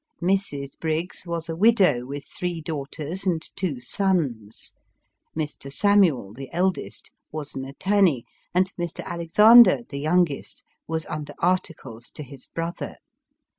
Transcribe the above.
Mrs. Briggs was a widow, with three daughters and two sons ; Mr. Samuel, the eldest, was an attorney, and Mr. Alexander, the youngest, was under articles to his brother.